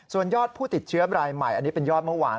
ส่วนยอดผู้ติดเชื้อรายใหม่อันนี้เป็นยอดเมื่อวาน